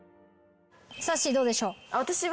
さっしーどうでしょう。